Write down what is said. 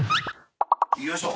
よいしょ！